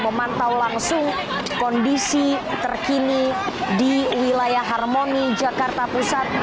memantau langsung kondisi terkini di wilayah harmoni jakarta pusat